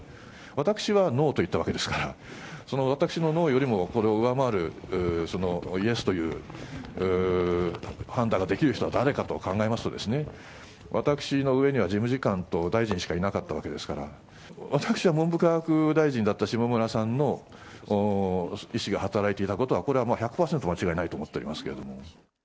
私はノーと言ったわけですから、その私のノーよりもこれを上回るそのイエスという判断ができる人は誰かと考えますと、私の上には、事務次官と大臣しかいなかったわけですから、私は文部科学大臣だった下村さんの意思が働いていたことは、これは１００％間違いないと思っておりますけれども。